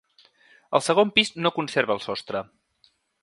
El segon pis no conserva el sostre.